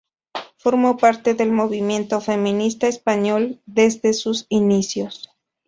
Formó parte del movimiento feminista español desde sus inicios.